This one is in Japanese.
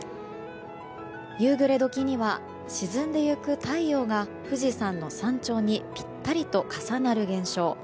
夕暮れ時には、沈んでいく太陽が富士山の山頂にぴったりと重なる現象